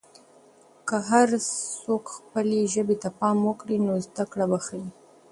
که هر څوک خپلې ژبې ته پام وکړي، نو زده کړه به ښه وي.